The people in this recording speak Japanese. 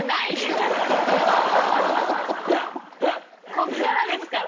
ここからですから。